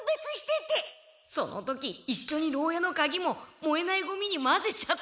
その時いっしょにろう屋のカギももえないゴミに交ぜちゃって。